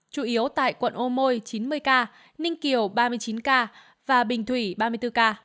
chủ yếu tại quận ô môi chín mươi ca ninh kiều ba mươi chín ca và bình thủy ba mươi bốn ca